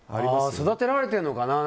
育てられてるのかな。